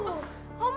hah ica pake jilbab